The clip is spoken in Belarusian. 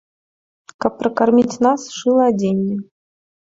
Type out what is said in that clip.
Каб пракарміць нас, шыла адзенне.